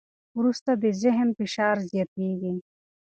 وروسته د ذهن فشار زیاتېږي.